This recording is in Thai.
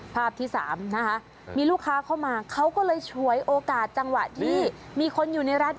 ภาพที่สามนะคะมีลูกค้าเข้ามาเขาก็เลยฉวยโอกาสจังหวะที่มีคนอยู่ในร้าน